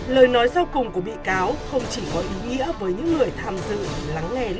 lời nói sau cùng của bị cáo không chỉ có ý nghĩa với những người tham dự lắng nghe